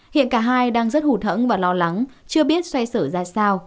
hiện cả hai đang rất hụt hẳn và lo lắng chưa biết xoay xử ra sao